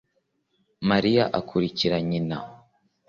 Mariya akurikira nyina